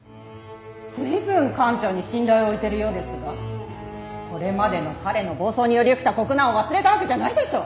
随分艦長に信頼を置いてるようですがこれまでの彼の暴走により起きた国難を忘れたわけじゃないでしょう。